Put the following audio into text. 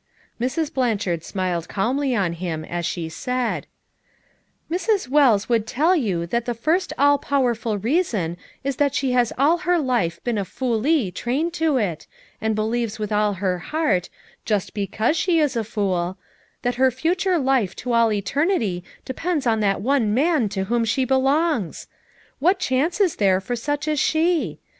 Mrs. Blanchard smiled calmly on him as she said: "Mrs. Wells would tell you that the first all powerful reason is that she has all her life been a 'fool ie' trained to it, and believes with all her heart — just because she is a fool —that her future life to all eternity depends on that one man to whom she belongs. What FOUR MOTHERS AT CHAUTAUQUA 197 chance is there for such as she?